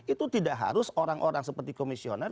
itu tidak harus orang orang seperti komisioner